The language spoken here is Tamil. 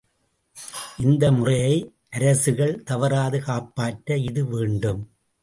இந்த முறையை அரசுகள் தவறாது காப்பாற்ற இது வேண்டும்!